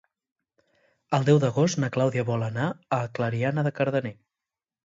El deu d'agost na Clàudia vol anar a Clariana de Cardener.